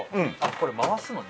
これ回すのね。